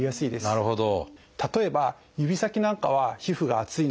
なるほど。